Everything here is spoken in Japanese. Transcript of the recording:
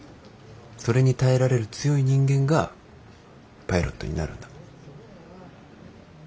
それに耐えられる強い人間がパイロットになるんだ。